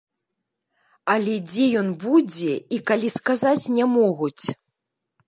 Але дзе ён будзе і калі, сказаць не могуць.